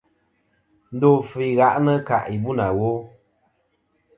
Ndo àfɨ i ghaʼnɨ kaʼ yì bu nà wo.